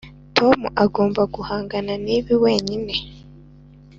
tom agomba guhangana nibi wenyine.